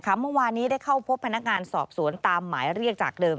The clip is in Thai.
เมื่อวานนี้ได้เข้าพบพนักงานสอบสวนตามหมายเรียกจากเดิม